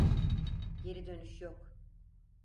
Geri dönüş yok.